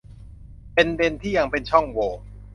เป็นเด็นที่ยังเป็นช่องโหว่